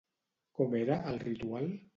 Com era, el ritual?